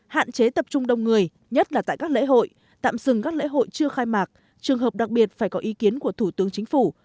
hạn chế tập trung đông người nhất là tại các lễ hội tạm dừng các lễ hội chưa khai mạc trường hợp đặc biệt phải có ý kiến của thủ tướng chính phủ